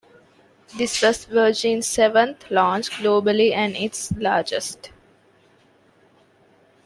This was Virgin's seventh launch globally and its largest.